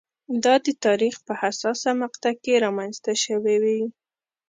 دا د تاریخ په حساسه مقطعه کې رامنځته شوې وي.